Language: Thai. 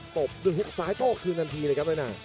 ตบด้วยฮุกซ้ายโต้คืนทันทีเลยครับแม่นาง